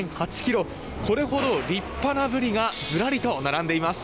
これほど立派なブリがずらりと並んでいます。